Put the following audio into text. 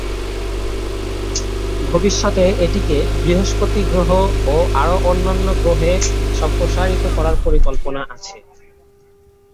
ভবিষ্যতে এটিকে বৃহস্পতি গ্রহ ও আরও অন্যান্য গ্রহে সম্প্রসারিত করার পরিকল্পনা আছে।